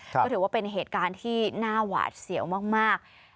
ก็ถือว่าเป็นเหตุการณ์ที่น่าหวาดเสียวมาก